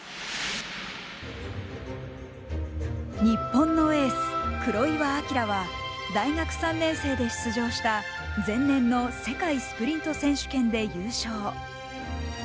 日本のエース、黒岩、彰は大学３年生で出場した前年の世界スプリント選手権で優勝。